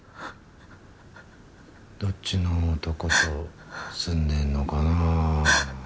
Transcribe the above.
どっちの男と住んでるのかなあ？